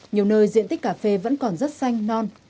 nhiều nơi diện tích cà phê vẫn còn rất xanh non